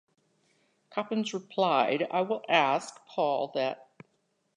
Coppens replied: I will ask Paul that ...